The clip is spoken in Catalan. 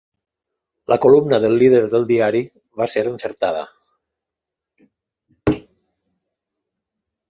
La columna del líder del diari va ser encertada.